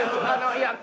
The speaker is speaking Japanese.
いや。